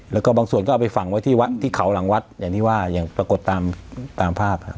แล้วก็บางส่วนก็เอาไปฝังไว้ที่วัดที่เขาหลังวัดอย่างที่ว่าอย่างปรากฏตามภาพครับ